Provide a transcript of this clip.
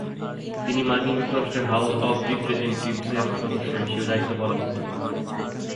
তিনি মার্কিন যুক্তরাষ্ট্রের হাউস অব রিপ্রেজেন্টেটিভসের সদস্য হিসেবে দায়িত্ব পালন করেন।